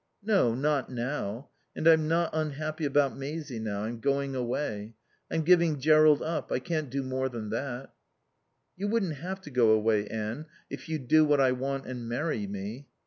"No. Not now. And I'm not unhappy about Maisie now. I'm going away. I'm giving Jerrold up. I can't do more than that." "You wouldn't have to go away, Anne, if you'd do what I want and marry me.